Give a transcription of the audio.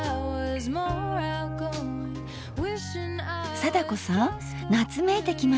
貞子さん夏めいてきました。